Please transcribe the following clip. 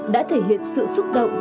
đã thể hiện sự xúc động